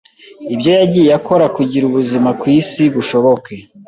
’ibyo yagiye akora kugira ubuzima ku isi bushoboke.